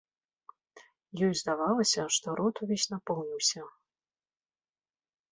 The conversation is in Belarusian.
Ёй здавалася, што рот увесь напоўніўся.